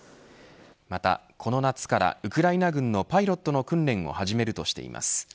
また、この夏からウクライナ軍のパイロットの訓練を始めるとしています。